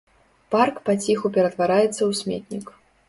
Парк паціху ператвараецца ў сметнік.